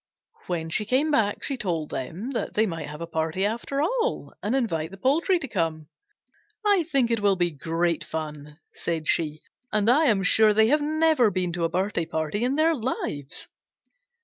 When she came back she told them that they might have a party after all and invite the poultry to come. "I think it will be great fun," said she, "and I am sure they have never been to a birthday party in their lives."